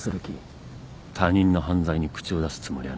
他人の犯罪に口を出すつもりはない。